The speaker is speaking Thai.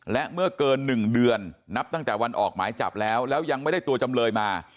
และเมื่อเกิน๑เดือนนับตั้งแต่วันออกหมายจับแล้วแล้วยังไม่ได้ตัวจำเลยมา